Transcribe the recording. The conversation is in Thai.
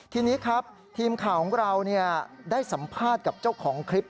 ทีนี้ครับทีมข่าวของเราได้สัมภาษณ์กับเจ้าของคลิป